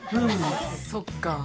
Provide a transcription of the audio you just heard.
そっか。